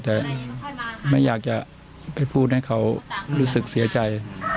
แต่ไม่อยากจะไปพูดให้เขารู้สึกเสียใจ